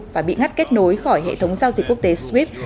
và bị ngắt kết nối khỏi hệ thống giao dịch quốc tế skyp